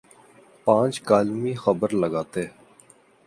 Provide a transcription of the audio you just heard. پانچ کالمی خبر لگاتے۔